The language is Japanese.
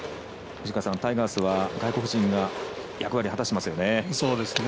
タイガースは外国人が役割を果たしてますよね。